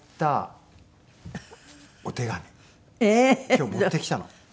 今日持ってきたの。